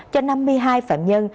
cho năm mươi hai phạm nhân